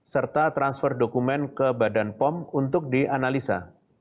serta transfer dokumen ke badan pom untuk dianalisa